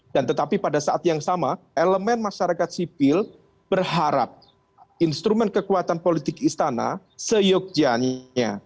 dan tetapi pada saat yang sama elemen masyarakat sipil berharap instrumen kekuatan politik istana seyogjiannya